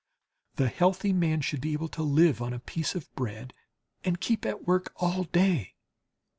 The healthy man should be able to live on a piece of bread and keep at work all day.